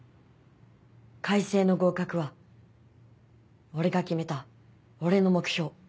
開成の合格は俺が決めた俺の目標。